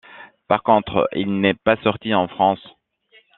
Par contre, il n'est pas sorti en France.